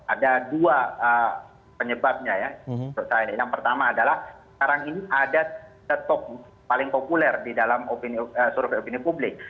ada dua penyebabnya ya yang pertama adalah sekarang ini ada setok paling populer di dalam suruh opini publik